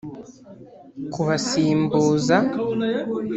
kubasimbuza